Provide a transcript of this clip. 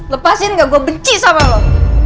lepasin gak gue benci sama lo